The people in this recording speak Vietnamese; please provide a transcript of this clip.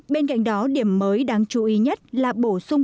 bên cạnh đó điểm mới đáng chú ý nhất là bổ sung